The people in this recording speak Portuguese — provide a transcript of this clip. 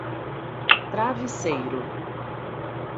Travesseiro